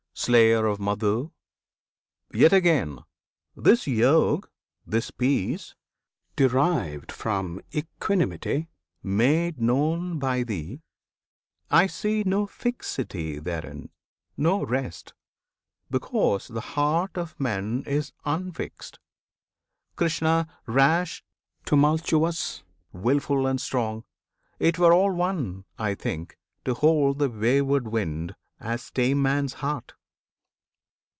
Slayer of Madhu! yet again, this Yog, This Peace, derived from equanimity, Made known by thee I see no fixity Therein, no rest, because the heart of men Is unfixed, Krishna! rash, tumultuous, Wilful and strong. It were all one, I think, To hold the wayward wind, as tame man's heart.